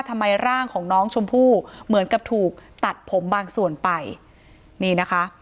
ทำไมร่างของน้องชมพู่เหมือนกับถูกตัดผมบางส่วนไปนี่นะคะ